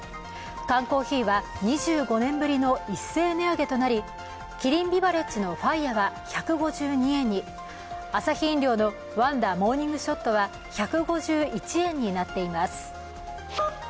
缶コーヒーは２５年ぶりの一斉値上げとなりキリンビバレッジのＦＩＲＥは１５２円にアサヒ飲料のワンダモーニングショットは１５１円になっています。